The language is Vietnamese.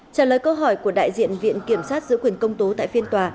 trả lời câu hỏi của đại diện viện kiểm sát giữ quyền công tố tại phiên tòa